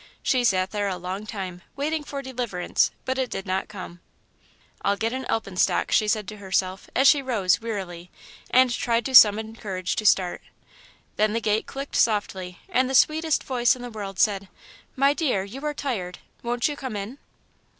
She sat there a long time, waiting for deliverance, but it did not come. "I'll get an alpenstock," she said to herself, as she rose, wearily, and tried to summon courage to start. Then the gate clicked softly and the sweetest voice in the world said: "My dear, you are tired won't you come in?"